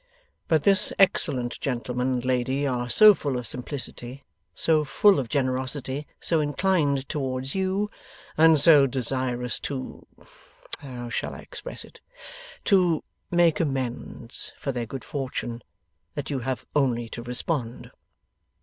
But this excellent gentleman and lady are so full of simplicity, so full of generosity, so inclined towards you, and so desirous to how shall I express it? to make amends for their good fortune, that you have only to respond.